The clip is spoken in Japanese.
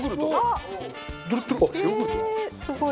すごい。